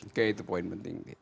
oke itu poin penting